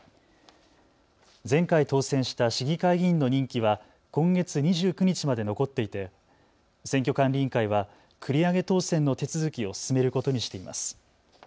前回当選した市議会議員の任期は今月２９日まで残っていて選挙管理委員会は繰り上げ当選の手続きを進めることにしています。